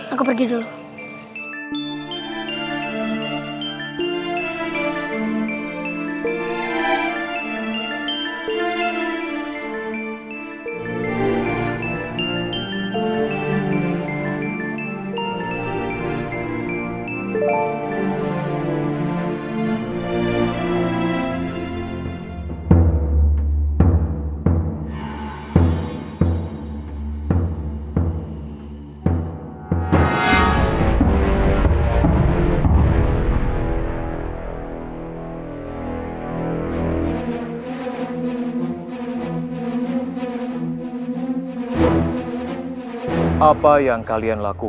aku pergi dulu